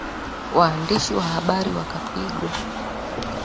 waandishi wa habari wakapigwa